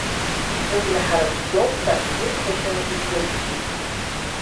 Рыгәнаҳара цәгьоуп, ҳәа ирԥхашьаны иԥыригеит.